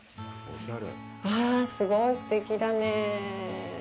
うわぁ、すごいすてきだね。